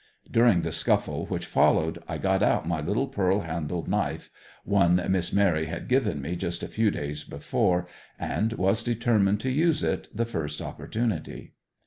During the scuffle which followed, I got out my little pearl handled knife, one "Miss Mary" had given me just a few days before and was determined to use it the first opportunity.